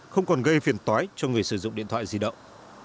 không còn gây phiền tói cho người sử dụng điện thoại di động